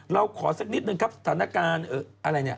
เราขอสักนิดนึงครับสถานการณ์อะไรเนี่ย